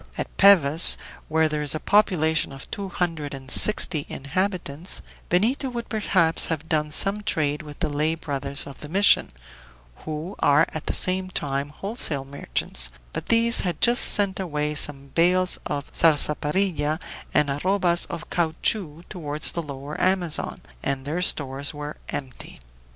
At Pevas, where there is a population of two hundred and sixty inhabitants, Benito would perhaps have done some trade with the lay brothers of the mission, who are at the same time wholesale merchants, but these had just sent away some bales of sarsaparilla and arrobas of caoutchouc toward the Lower Amazon, and their stores were empty.